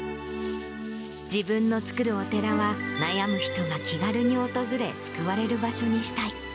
自分のつくるお寺は、悩む人が気軽に訪れ、救われる場所にしたい。